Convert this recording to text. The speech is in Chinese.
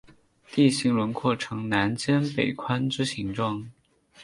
地形轮廓呈南尖北宽之形状。